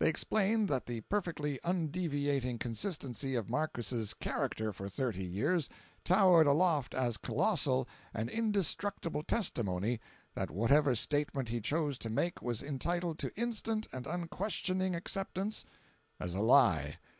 They explained that the perfectly undeviating consistency of Markiss's character for thirty years towered aloft as colossal and indestructible testimony, that whatever statement he chose to make was entitled to instant and unquestioning acceptance as a lie.